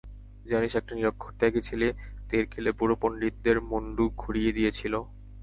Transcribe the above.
জানিস, একটা নিরক্ষর ত্যাগী ছেলে তেরকেলে বুড়ো পণ্ডিতদের মুণ্ডু ঘুরিয়ে দিয়েছিল।